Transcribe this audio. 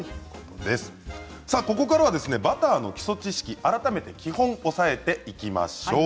ここからはバターの基礎知識改めて基本を押さえていきましょう。